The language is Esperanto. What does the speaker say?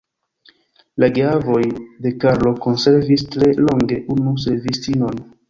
La geavoj de Karlo konservis tre longe unu servistinon.